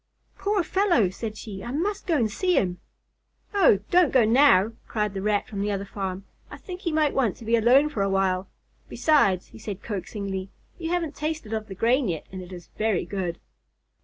"Poor fellow!" said she. "I must go to see him." "Oh, don't go now," cried the Rat from the other farm. "I think he might want to be alone for a while. Besides," he added coaxingly, "you haven't tasted of the grain yet, and it is very good."